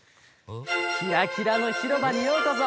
キラキラのひろばにようこそ。